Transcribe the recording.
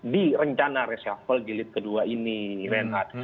di rencana resafel gilid kedua ini renat